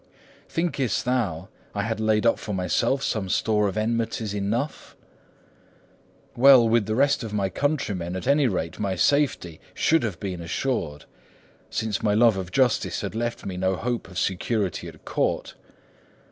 'Thinkest thou I had laid up for myself store of enmities enough? Well, with the rest of my countrymen, at any rate, my safety should have been assured, since my love of justice had left me no hope of security at court.